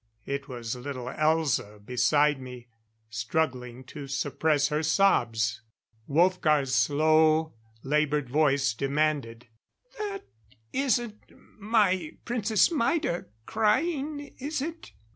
It was little Elza beside me, struggling to suppress her sobs. Wolfgar's slow, labored voice demanded: "That isn't my Princess Maida crying is it?